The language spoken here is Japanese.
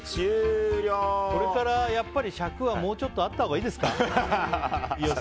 これからやっぱり尺はもっとあったほうがいいですか？